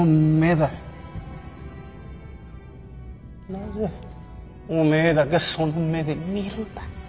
なぜお前だけその目で見るんだ？